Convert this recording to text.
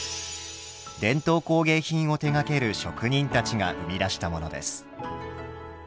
伝統工芸品を手がける職人たちが生み出したものです。